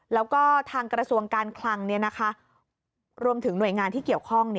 แล้วก็ทางกระทรวงการคลังรวมถึงหน่วยงานที่เกี่ยวข้อง